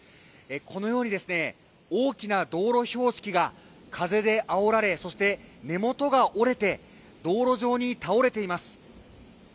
このように、大きな道路標識が風であおられ、そして根元が折れて道路上に倒れています。